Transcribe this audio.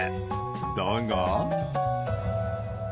だが。